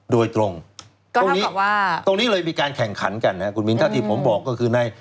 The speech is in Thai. โดยตรงตรงนี้ว่าตรงนี้เลยมีการแข่งขันกันนะครับคุณมินเท่าที่ผมบอกก็คือใน